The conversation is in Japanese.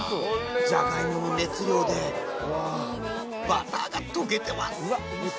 じゃがいもの熱量でバターが溶けてます。